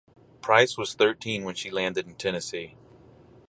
Price was thirteen when she landed in Tennessee.